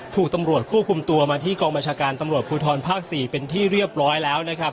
ถูกตำรวจควบคุมตัวมาที่กองบัญชาการตำรวจภูทรภาค๔เป็นที่เรียบร้อยแล้วนะครับ